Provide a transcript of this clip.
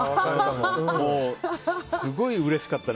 すごいうれしかったな。